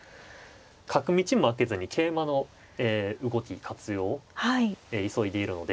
角道も開けずに桂馬の動き活用を急いでいるので。